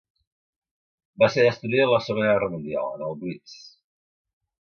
Va ser destruïda en la Segona Guerra Mundial, en el Blitz.